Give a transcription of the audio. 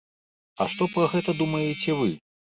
А што пра гэта думаеце вы?